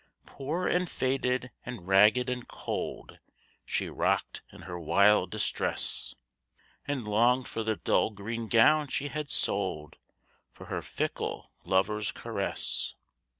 Poor and faded and ragged and cold She rocked in her wild distress, And longed for the dull green gown she had sold For her fickle lover's caress.